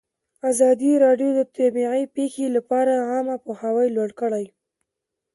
ازادي راډیو د طبیعي پېښې لپاره عامه پوهاوي لوړ کړی.